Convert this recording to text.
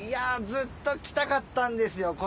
ずっと来たかったんですよ